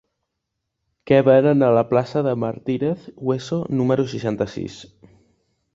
Què venen a la plaça de Martínez Hueso número seixanta-sis?